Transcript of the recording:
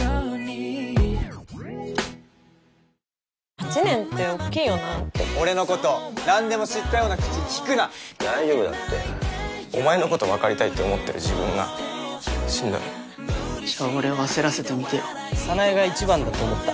８年って大っきいよなって俺のこと何でも知ったような口利くな大丈夫だってお前のこと分かりたいって思ってる自分がしんどいじゃあ俺を焦らせてみてよ早苗が一番だと思った